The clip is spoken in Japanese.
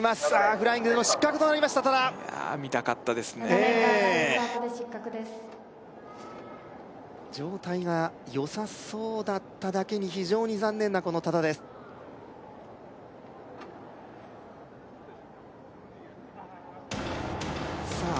フライングでの失格となりました多田いやあ見たかったですねええ状態がよさそうだっただけに非常に残念なこの多田ですさあ